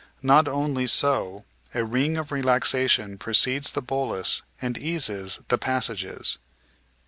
Not only so; a ring of relaxation precedes the bolus and eases the passages."